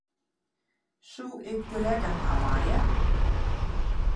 Soe ik de rekken ha meie?